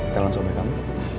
calon suami kamu